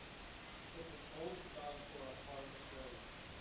It's an old dog for a hard road.